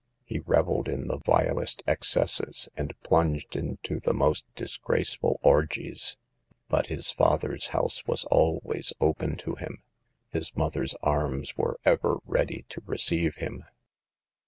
He reveled in the vilest ex cesses, and plunged into the most disgraceful orgies, but his father's house was always open to him, his mother's arms were ever ready to receive him.